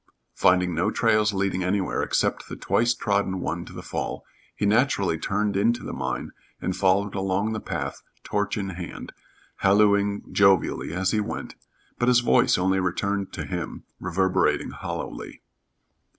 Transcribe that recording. Finding no trails leading anywhere except the twice trodden one to the fall, he naturally turned into the mine and followed along the path, torch in hand, hallooing jovially as he went, but his voice only returned to him, reverberating hollowly.